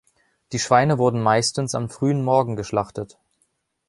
Die Schweine wurden meistens am frühen Morgen geschlachtet.